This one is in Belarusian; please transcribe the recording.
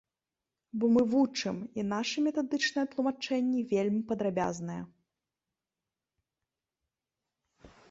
Бо мы вучым, і нашы метадычныя тлумачэнні вельмі падрабязныя.